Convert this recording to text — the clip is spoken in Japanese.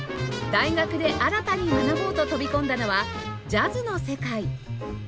大学で新たに学ぼうと飛び込んだのはジャズの世界